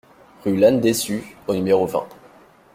Rue Lanne-Dessus au numéro vingt